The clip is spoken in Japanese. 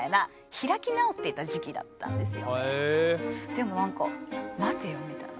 でもなんか待てよ？みたいな。